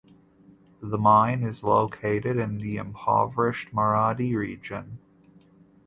The mine is located in the impoverished Maradi Region.